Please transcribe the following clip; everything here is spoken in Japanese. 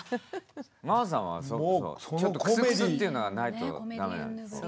真央さんはそれこそちょっとクスクスっていうのがないと駄目なんです。